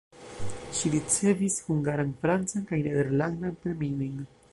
Ŝi ricevis hungaran, francan kaj nederlandan premiojn.